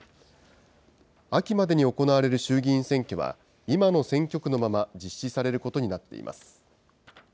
秋までに行われる衆議院選挙は、今の選挙区のまま実施されることになっています。